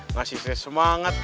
ngasih saya semangat